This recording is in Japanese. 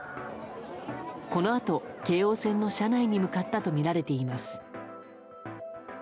このあと、京王線の車内に向かったとみられています。